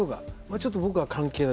ちょっと僕は関係ない。